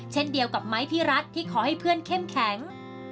เช่นเดียวกับไม้พี่รัฐที่ขอให้เพื่อนเข้มแข็ง